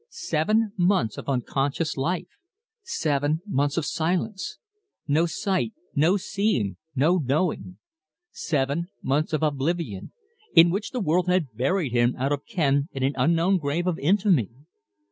Seven months of unconscious life seven months of silence no sight, no seeing, no knowing; seven months of oblivion, in which the world had buried him out of ken in an unknown grave of infamy!